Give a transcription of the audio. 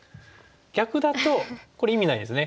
逆だとこれ意味ないですね。